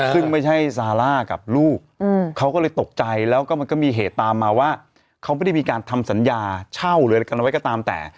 ซึ่งไม่ใช่ซาร่ากับลูกเขาก็เลยตกใจแล้วก็มันก็มีเหตุตามมาว่าเขาไม่ได้มีการทำสัญญาเช่าหรืออะไรกันเอาไว้ก็ตามแต่